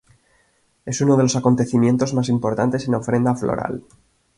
Es uno de los acontecimientos más importantes en ofrenda floral.